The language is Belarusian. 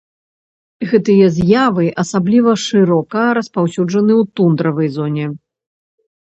Гэтыя з'явы асабліва шырока распаўсюджаны ў тундравай зоне.